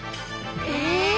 え！